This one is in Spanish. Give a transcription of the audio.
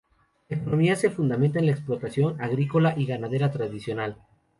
La economía se fundamenta en la explotación agrícola y ganadera tradicional.